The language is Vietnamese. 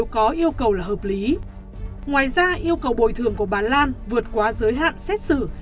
của bà lan vượt qua giới hạn xét xử